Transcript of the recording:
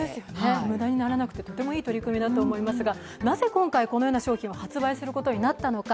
無駄にならなくてとてもいい取り組みだと思いますが、なぜ今回、このような商品を発売することになったのか。